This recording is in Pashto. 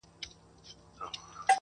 o يار تر کوڅه تېر که، رنگ ئې هېر که٫